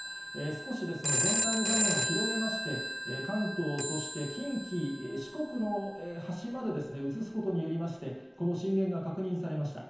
少し全体の画面を広げまして、関東、そして近畿、四国の端までうつすことによりまして、この震源が確認されました。